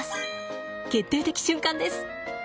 決定的瞬間です。